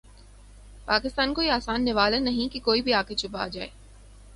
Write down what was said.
پاکستان کوئی آسان نوالہ نہیں کہ کوئی بھی آ کے چبا جائے۔